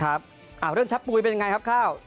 เรื่องชับปุ๋ยเป็นยังไงครับข้าว